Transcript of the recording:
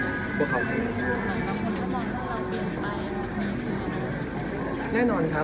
เป็นเพลงความมองว่าเราเปลี่ยนไป